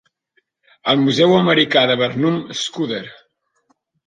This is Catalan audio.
El Museu Americà de Barnum Scudder.